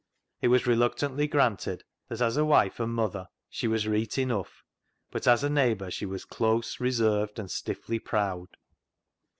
It was reluctantly granted that, as a wife and mother, she was " reet enuff," but as a neighbour she was close, reserved, and stiffly proud.